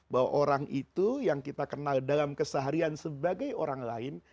bahwa orang itu yang kita kenal dalam keseharian sebagai orang lain